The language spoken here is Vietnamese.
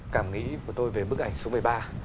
cảm nghĩ của tôi về bức ảnh số một mươi ba